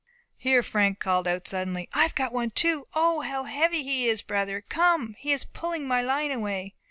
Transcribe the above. Here Frank called out suddenly, "I have got one too! O, how heavy he is! Brother, come; he is pulling my line away!"